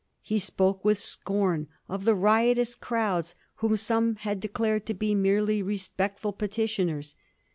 He spoke with scorn of the riotous crowds whom some had declared to be merely respectful petitioners.